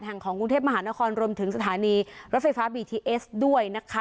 แห่งของกรุงเทพมหานครรวมถึงสถานีรถไฟฟ้าบีทีเอสด้วยนะคะ